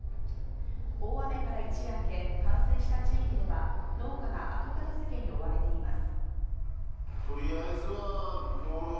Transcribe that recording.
大雨から一夜明け冠水した地域では、農家が後片付けに追われています。